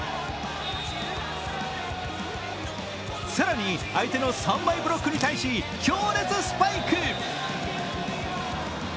更に相手の三枚ブロックに対し強烈スパイク。